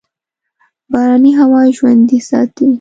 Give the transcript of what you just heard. باراني هوا ژوندي ساتي.